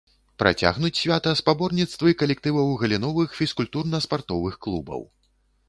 Працягнуць свята спаборніцтвы калектываў галіновых фізкультурна-спартовых клубаў.